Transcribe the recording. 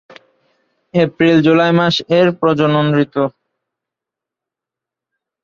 এপ্রিল-জুলাই মাস এর প্রজনন ঋতু।